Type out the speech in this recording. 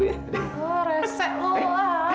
oh resek lu ah